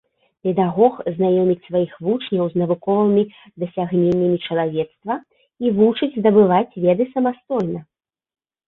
Педагог знаёміць сваіх вучняў з навуковымі дасягненнямі чалавецтва і вучыць здабываць веды самастойна.